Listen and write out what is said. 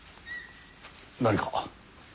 何か？